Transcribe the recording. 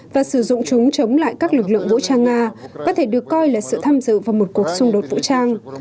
và sử dụng chúng chống lại các lực lượng vũ trang nga có thể được coi là sự tham dự vào một cuộc xung đột vũ trang